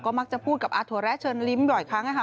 ก็มักจะพูดกับอาทัวร์แรกเชิญริมบ่อยครั้งนะคะ